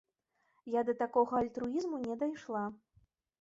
Я да такога альтруізму не дайшла.